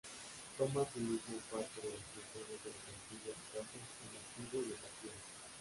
Toma asimismo parte de las funciones de los antiguos casos ablativo y locativo.